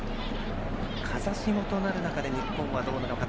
風下となる中で日本はどうなのか。